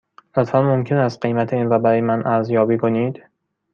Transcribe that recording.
لطفاً ممکن است قیمت این را برای من ارزیابی کنید؟